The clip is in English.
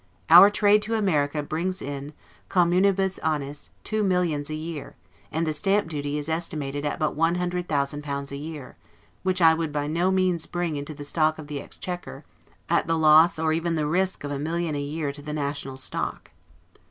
Our trade to America brings in, 'communibus annis', two millions a year; and the Stamp duty is estimated at but one hundred thousand pounds a year; which I would by no means bring into the stock of the Exchequer, at the loss or even the risk of a million a year to the national stock.